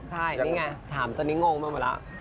ใช่นี่ไงถามตอนนี้งงไปหมดแล้ว